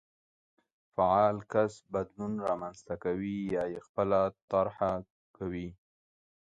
فعال کس بدلون رامنځته کوي يا يې خپله طرحه کوي.